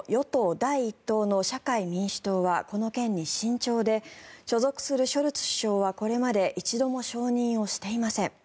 第１党の社会民主党はこの件に慎重で所属するショルツ首相はこれまで一度も承認をしていません。